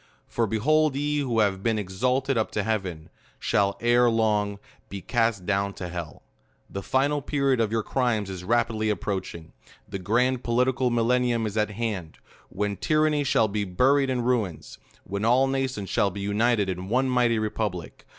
For behold, ye, who have been ex ahed up to heaven, shall, ere long, be cast down to hell! The final period of your crimes is rapidly approaching. The grand POLITICAL MILLENNIUM is at hand ; when THE COLUMBIAN ORATOR. 257 when tyranny shall be buried in ruins ; when all na tions sliall be united in ONE MIGHTY REPUBLIC